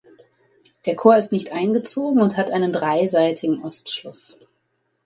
Der Chor ist nicht eingezogen und hat einen dreiseitige Ostschluss.